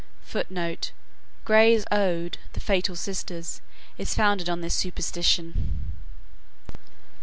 [Footnote: Gray's ode, "The Fatal Sisters," is founded on this superstition.